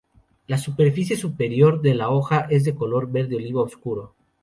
La superficie superior de la hoja es de color verde oliva oscuro.